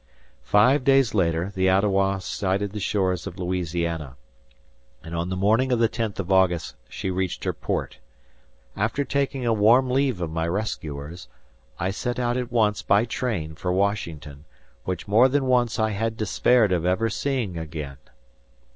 Five days later the Ottawa sighted the shores of Louisiana; and on the morning of the tenth of August she reached her port. After taking a warm leave of my rescuers, I set out at once by train for Washington, which more than once I had despaired of ever seeing again.